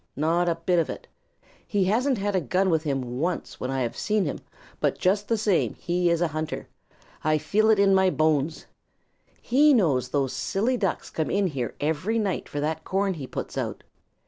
Not a bit of it. He hasn't had a gun with him once when I have seen him, but just the same he is a hunter. I feel it in my bones. He knows those silly Ducks come in here every night for that corn he puts out.